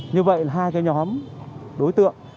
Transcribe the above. như vậy là hai cái nhóm đối tượng